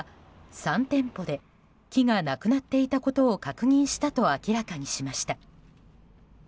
３店舗で木がなくなっていたことを確認したと明らかにしました。